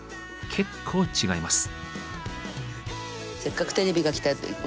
結構違います。